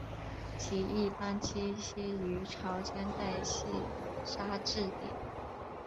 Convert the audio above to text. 其一般栖息于潮间带细砂质底。